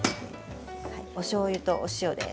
おしょうゆとお塩です。